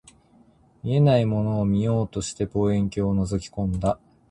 見えないものを見ようとして、望遠鏡を覗き込んだ